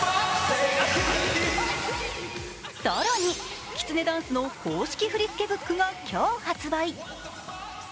更に、きつねダンスの公式振り付けＢＯＯＫが今日発売。